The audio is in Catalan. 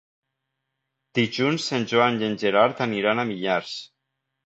Dilluns en Joan i en Gerard aniran a Millars.